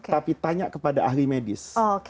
tapi tanya kepada ahli medis